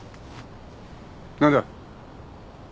何だ？